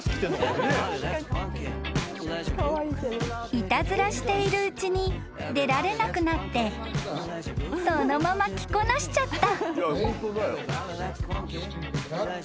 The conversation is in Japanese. ［いたずらしているうちに出られなくなってそのまま着こなしちゃった］